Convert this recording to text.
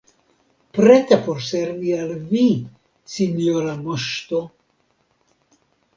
Preta por servi al vi, sinjora moŝto!